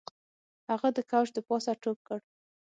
هغه د کوچ د پاسه ټوپ کړ